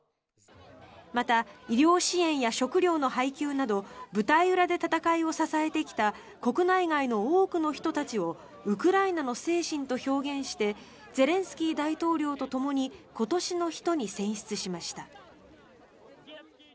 また、医療支援や食料の配給など舞台裏で戦いを支えてきた国内外の多くの人たちをウクライナの精神と表現してゼレンスキー大統領とともに今年の人に選出しました。